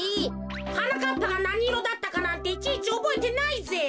はなかっぱがなにいろだったかなんていちいちおぼえてないぜ。